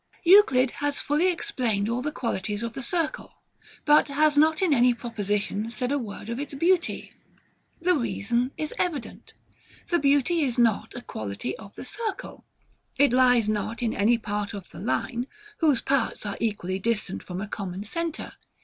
Euclid has fully explained all the qualities of the circle; but has not in any proposition said a word of its beauty. The reason is evident. The beauty is not a quality of the circle. It lies not in any part of the line, whose parts are equally distant from a common centre.